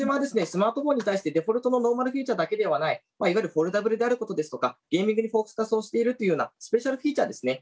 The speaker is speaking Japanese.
スマートフォンに対してデフォルトのノーマルフィーチャーだけではないいわゆるフォルダブルであることですとかゲーミングにフォーカスをしているというようなスペシャルフィーチャーでですね